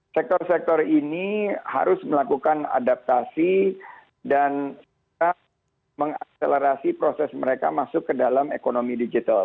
sektor sektor ini harus melakukan adaptasi dan mengakselerasi proses mereka masuk ke dalam ekonomi digital